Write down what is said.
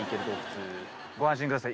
ご安心ください